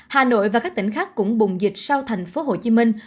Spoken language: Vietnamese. hà nội và các tỉnh khác cũng bùng dịch sau thành phố hồ chí minh